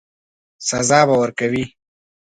سزا به ورکوي.